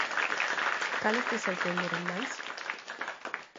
Cales te sorprenderon máis?